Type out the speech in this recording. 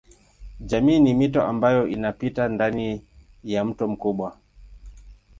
Jamii ni mito ambayo inapita ndani ya mto mkubwa.